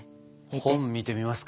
本見てみますか。